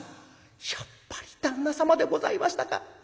「やっぱり旦那様でございましたか。